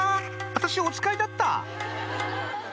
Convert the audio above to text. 私おつかいだった」